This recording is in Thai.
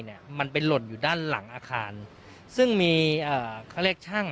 เนี่ยมันไปหล่นอยู่ด้านหลังอาคารซึ่งมีเอ่อเขาเรียกช่าง